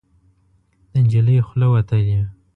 د نجلۍ خوله وتلې